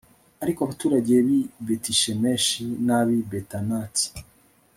ariko abaturage b'i betishemeshi n'ab'i betanati